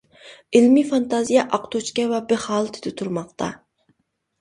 ئىلمىي فانتازىيە ئاق توچكا ۋە بىخ ھالىتىدە تۇرماقتا.